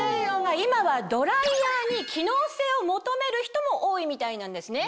今はドライヤーに機能性を求める人も多いみたいなんですね。